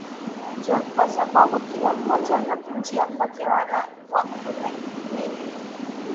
ja kwa sababu kila mmoja anavutia kwake wale wa kule nile